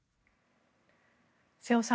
瀬尾さん